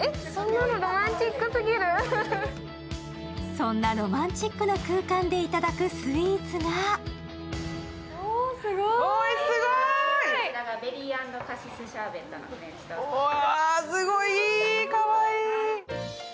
そんなロマンチックな空間でいただくスイーツがすごいー、かわいい。